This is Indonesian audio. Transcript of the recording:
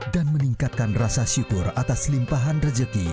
dan meningkatkan rasa syukur atas limpahan rejeki